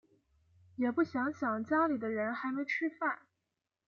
也不想想家里的人还没吃饭